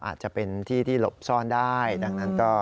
อาจจะเป็นที่ที่หลบซ่อนได้ดังนั้นก็